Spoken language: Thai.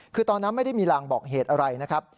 คือตอนนั้นไม่ได้มีรางบอกเหตุอะไรนะครับ